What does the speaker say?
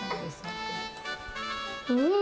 うん！